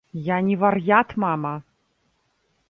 Я не вар'ят, мама!